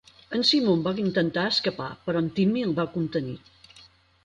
En Simon va intentar escapar, però en Timmy el va contenir.